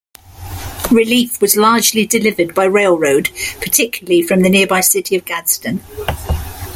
Relief was largely delivered by railroad, particularly from the nearby city of Gadsden.